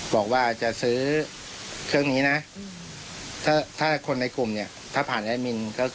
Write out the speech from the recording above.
บอกว่าจะซื้อเครื่องนี้นะ